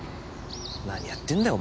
何やってんだよ